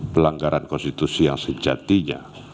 pelanggaran konstitusi yang sejatinya